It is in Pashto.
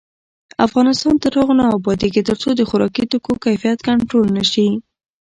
افغانستان تر هغو نه ابادیږي، ترڅو د خوراکي توکو کیفیت کنټرول نشي.